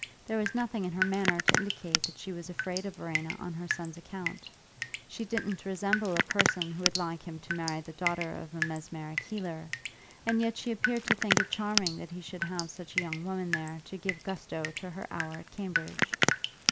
There was nothing in her manner to indicate that she was afraid of Verena on her son's account; she didn't resemble a person who would like him to marry the daughter of a mesmeric healer, and yet she appeared to think it charming that he should have such a young woman there to give gusto to her hour at Cambridge.